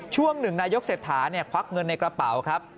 ช่วงหนึ่งนายกเศรษฐาควักเงินในกระเป๋าครับ